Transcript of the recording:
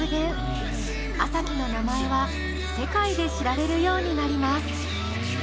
４ｓ４ｋｉの名前は世界で知られるようになります。